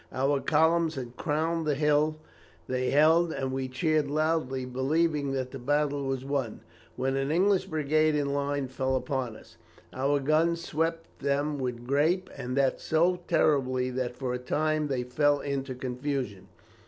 Our columns had crowned the hill they held, and we cheered loudly, believing that the battle was won, when an English brigade in line fell upon us. Our guns swept them with grape, and that so terribly that for a time they fell into confusion.